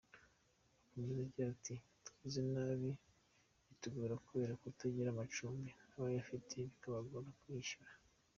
Akomeza agira ati “Twize nabi bitugora kubera kutagira amacumbi n’abayafite bikabagora kuyishyura.